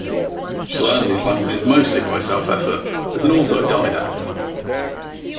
She learned these languages mostly by self-effort, as an autodidact.